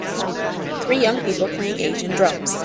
Three young people play asian drums